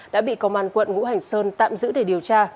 đã bị công an quận ngũ hành sơn tạm giữ để điều tra